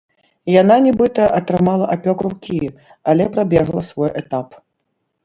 Яна, нібыта, атрымала апёк рукі, але прабегла свой этап.